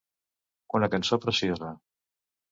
Una cançó preciosa.